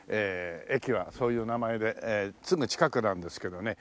駅はそういう名前ですぐ近くなんですけどね。